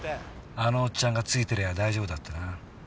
あのおっちゃんがついてりゃ大丈夫だってな。